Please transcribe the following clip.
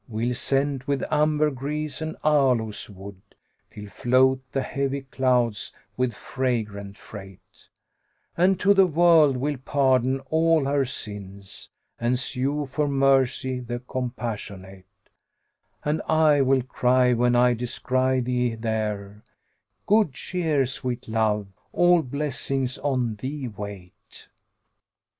We'll scent with ambergris and aloes wood * Till float the heavy clouds with fragrant freight; And to the World we'll pardon all her sins * And sue for mercy the Compassionate; And I will cry, when I descry thee there, * 'Good cheer, sweet love, all blessings on thee wait!'"